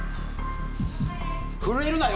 震えるなよ！